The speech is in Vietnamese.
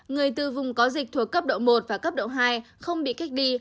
người từ vùng có dịch thuộc cấp độ một và cấp độ hai không bị cách ly